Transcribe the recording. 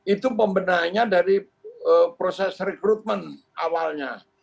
itu pembenahannya dari proses rekrutmen awalnya